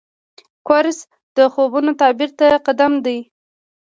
کورس د خوبونو تعبیر ته قدم دی.